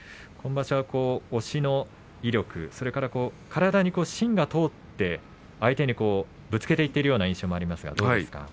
今場所は押しの威力体に芯が通って相手にぶつけていってるような印象がありますね。